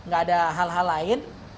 gak ada hal hal lain